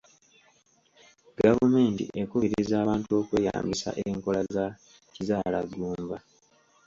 Gavumenti ekubiriza abantu okweyambisa enkola za kizaalaggumba.